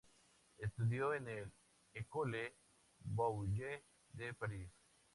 Estudió en la École Boulle de París.